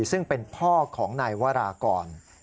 ซึ่งเป็นพ่อของนายวรากร